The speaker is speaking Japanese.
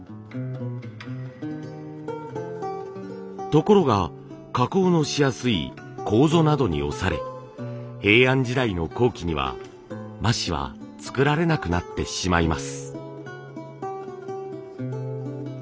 ところが加工のしやすいこうぞなどに押され平安時代の後期には麻紙は作られなくなってしまいます。